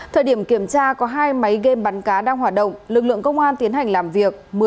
thời điểm kiểm tra có hai máy game bắn cá đang hoạt động lực lượng công an tiến hành làm việc